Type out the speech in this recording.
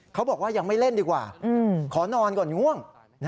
เขาบอกว่ายังไม่เล่นดีกว่าขอนอนก่อนง่วง